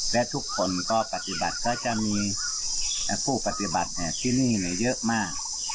และทุกคนก็ปฏิบัติก็จะมีผู้ปฏิบัติที่นี่เยอะมาก